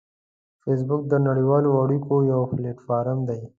فېسبوک د نړیوالو اړیکو یو پلیټ فارم دی